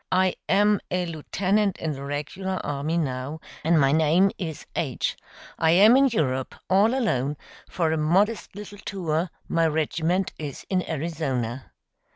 I am a lieutenant in the regular army now, and my name is H. I am in Europe, all alone, for a modest little tour; my regiment is in Arizona."